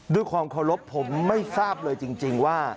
ด้วยความเคารพผมไม่ทราบเลยจริงว่า